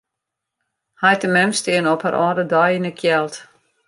Heit en mem steane op har âlde dei yn 'e kjeld.